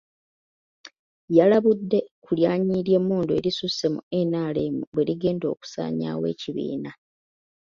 Yalabudde ku lyanyi ly'emmundu erisusse mu NRM bwe ligenda okusanyaawo ekibiina.